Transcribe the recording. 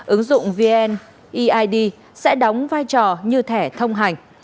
ứng dụng vn eid sẽ đóng vai trò như thẻ thông hành